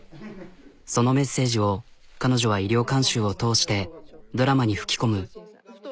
そのメッセージを彼女は医療監修を通してドラマに吹き込む。